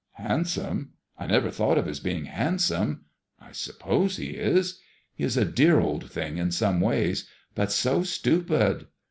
" Handsome ; I never thought of his being handsome. I sup pose he is. He is a dear old thing in some ways, but so stupid."